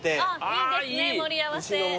いいですね盛り合わせ。